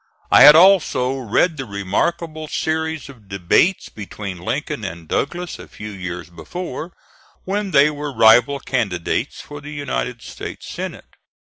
I had also read the remarkable series of debates between Lincoln and Douglas a few years before, when they were rival candidates for the United States Senate.